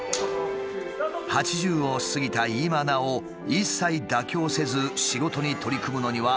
８０を過ぎた今なお一切妥協せず仕事に取り組むのには訳がある。